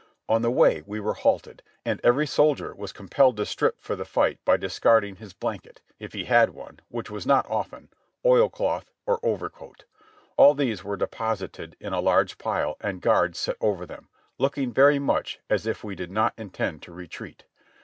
On the way we were halted, and every soldier was compelled to strip for the fight by discarding his blanket, — if he had one, which was not often — oilcloth or overcoat. All these were deposited in a large pile, and guards set over them, looking very much as if we did not intend to retreat.